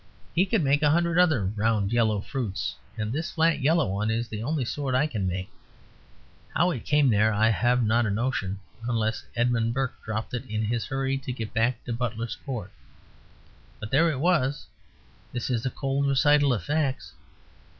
He could make a hundred other round yellow fruits: and this flat yellow one is the only sort that I can make. How it came there I have not a notion unless Edmund Burke dropped it in his hurry to get back to Butler's Court. But there it was: this is a cold recital of facts.